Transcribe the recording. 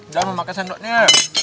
dan memakai sendoknya